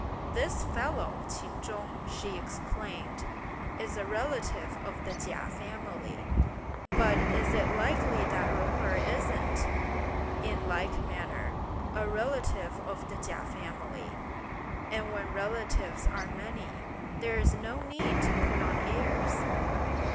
"This fellow, Ch'in Chung," she exclaimed, "is a relative of the Chia family, but is it likely that Jung Erh isn't, in like manner, a relative of the Chia family; and when relatives are many, there's no need to put on airs!